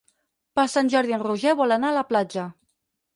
Per Sant Jordi en Roger vol anar a la platja.